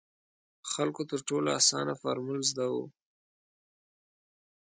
خلکو تر ټولو اسانه فارمول زده وو.